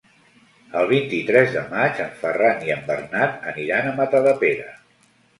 El vint-i-tres de maig en Ferran i en Bernat aniran a Matadepera.